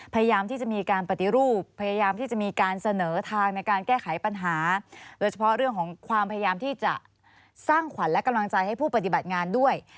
พยายามที่จะมีการปฏิรูปพยายามที่จะมีการเสนอทางในการแก้ไขปัญหาโดยเฉพาะเรื่องของความพยายามที่จะสร้างขวัญและกำลังใจให้ผู้ปฏิบัติงานด้วย